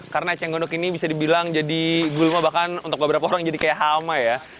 karena eceng gondok ini bisa dibilang jadi bulma bahkan untuk beberapa orang jadi kaya hama ya